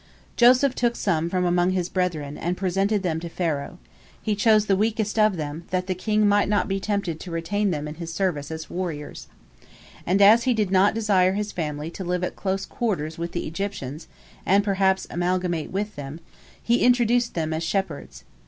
Joseph took some from among his brethren, and presented them to Pharaoh. He chose the weakest of them, that the king might not be tempted to retain them in his service as warriors. And as he did not desire his family to live at close quarters with the Egyptians and perhaps amalgamate with them, he introduced them as shepherds.